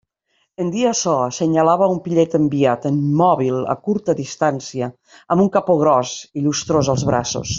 I en dir açò, assenyalava a un pillet enviat, immòbil a curta distància, amb un capó gros i llustrós als braços.